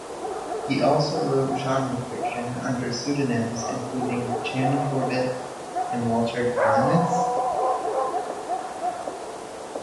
He also wrote genre fiction under pseudonyms, including Chan Corbett and Walter Glamis.